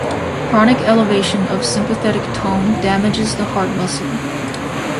Chronic elevation of sympathetic tone damages the heart muscle.